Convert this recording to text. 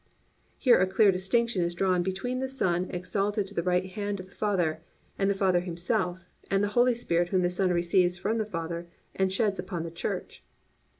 "+ _Here a clear distinction is drawn between the Son exalted to the right hand of the Father, and the Father Himself, and the Holy Spirit whom the Son receives from the Father, and sheds upon the Church.